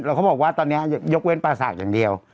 แล้วเขาบอกว่าตอนนี้ยกเว้นปลาสากอย่างเดียว